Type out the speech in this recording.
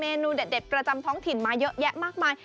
เนนูเด็ดประจำท้องถิ่นมาเยอะแยะมากมาย